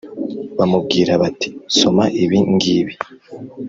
bamubwira bati «Soma ibi ngibi»,